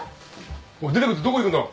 おい出てくってどこ行くんだ。